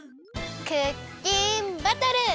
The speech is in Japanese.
クッキンバトル。